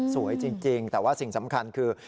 สวยจริงแต่ว่าสิ่งสำคัญคือ